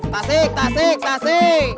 tasik tasik tasik